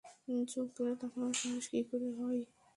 চোখ তুলে তাকানোর সাহস কী করে হয়?